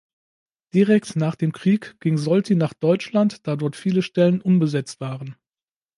Direkt nach dem Krieg ging Solti nach Deutschland, da dort viele Stellen unbesetzt waren.